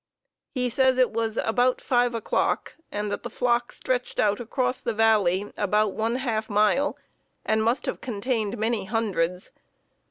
He says it was about 5 o'clock, and that the flock stretched out across the valley about one half mile and must have contained many hundreds.